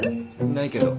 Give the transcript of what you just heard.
ないけど。